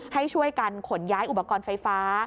ให้ช่วยกันขนย้ายอุปกรณ์ไฟฟ้า